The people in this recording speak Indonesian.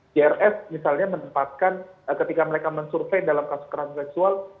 jrs misalnya menempatkan ketika mereka mensurvey dalam kasus kerasan seksual